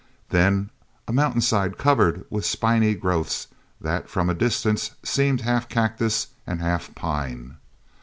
Then a mountainside covered with spiny growths that, from a distance, seemed half cactus and half pine.